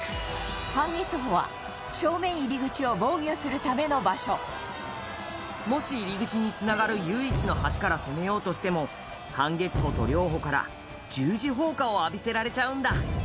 半月堡は、正面入り口を防御するための場所もし、入り口につながる唯一の橋から攻めようとしても半月堡と稜堡から、十字砲火を浴びせられちゃうんだ